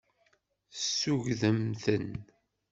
Tessugdem-ten.